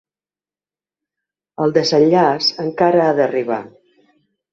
El desenllaç encara ha d’arribar.